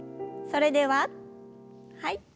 それでははい。